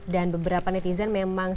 dan beberapa netizen memang